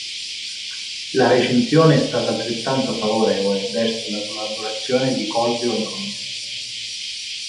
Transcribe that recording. La recensione è stata altrettanto favorevole verso la collaborazione di Colby O'Donis.